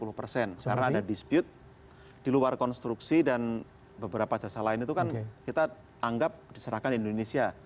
karena ada dispute di luar konstruksi dan beberapa jasa lain itu kan kita anggap diserahkan indonesia